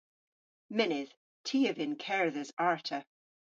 Mynnydh. Ty a vynn kerdhes arta.